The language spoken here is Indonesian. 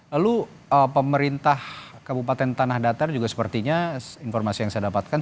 lalu pemerintah kabupaten tanah datar juga sepertinya informasi yang saya dapatkan